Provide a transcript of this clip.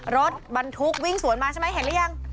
รถบรรทุกวิ่งสวนมาใช่มั้ยเห็นยัง